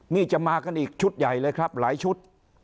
นี่จะมากันอีกชุดใหญ่เลยครับหลายชุด